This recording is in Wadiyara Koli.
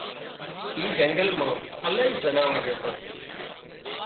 اي جنڳل مان الاهي زناور ريتان